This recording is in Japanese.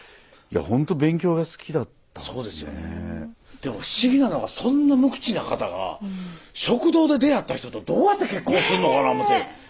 でも不思議なのがそんな無口な方が食堂で出会った人とどうやって結婚するのかな思うて。